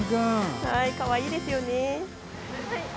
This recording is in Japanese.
かわいいですよね。